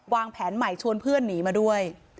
วางแผนใหม่ชวนเพื่อนหนีมาด้วย